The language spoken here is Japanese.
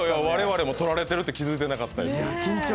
我々も撮られてるって気付いてなかったです。